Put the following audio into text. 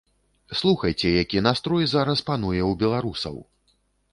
Слухайце, які настрой зараз пануе ў беларусаў!